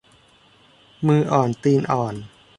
มืออ่อนตีนอ่อน